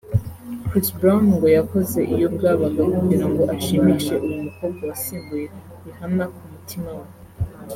Chris Brown ngo yakoze iyo bwabaga kugira ngo ashimishe uyu mukobwa wasimbuye Rihanna ku mutima we